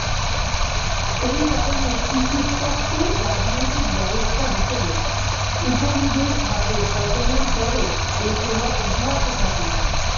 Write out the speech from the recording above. এই কারণে একটি সুস্পষ্ট রাজনৈতিক ব্যবস্থা হিসেবে উপনিবেশবাদের পতনের পরও এর প্রভাব অব্যাহত থাকে।